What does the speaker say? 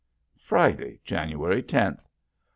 Friday, January tenth.